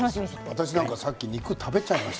私はさっき肉食べちゃいました。